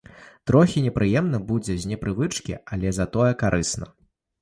Трохі непрыемна будзе з непрывычкі, але затое карысна.